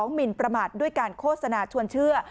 หมินประมาทด้วยการโฆษณาชวนเชื่อ